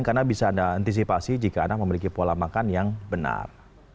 karena bisa anda antisipasi jika anda memiliki pola makan yang benar